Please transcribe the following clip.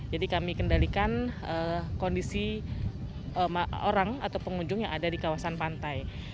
jadi kami kendalikan kondisi orang atau pengunjung yang ada di kawasan pantai